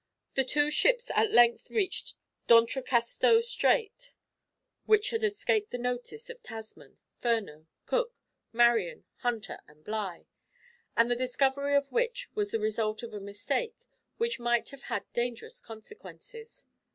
The two ships at length reached D'Entrecasteaux Strait, which had escaped the notice of Tasman, Furneaux, Cook, Marion, Hunter and Bligh, and the discovery of which was the result of a mistake, which might have had dangerous consequences.